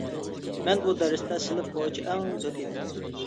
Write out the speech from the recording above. مەن بۇ دەرستە سىنىپ بويىچە ئەڭ دۆت ئىدىم.